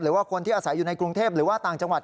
หรือว่าคนที่อาศัยอยู่ในกรุงเทพหรือว่าต่างจังหวัด